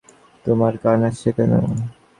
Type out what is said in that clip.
তোমার কান আছে কেন?